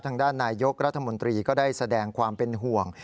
ทางด้านนายยกรัฐมนตรีก็ได้แสดงความเป็นห่วง